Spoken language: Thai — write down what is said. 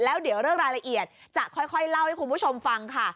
แล้วเดี๋ยวเรื่องรายละเอียดจะค่อยเล่าให้คุณผู้ชมฟังค่ะ